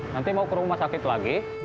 nanti mau ke rumah sakit lagi